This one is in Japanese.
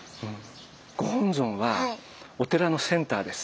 ご本尊はお寺のセンターです。